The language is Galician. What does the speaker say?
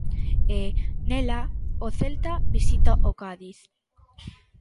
E, nela, o Celta visita o Cádiz.